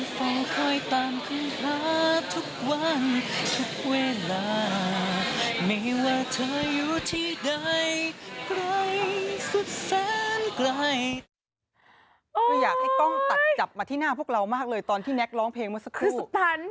ก็อยากให้กล้องตัดจับมาที่หน้าพวกเรามากเลยตอนที่น๊ากร้องเพลงเลยคือส์ตัน